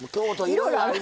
いろいろある。